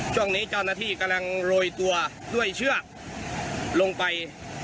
ช่วงนี้เจ้าหน้าที่กำลังโรยตัวด้วยเชือกลงไป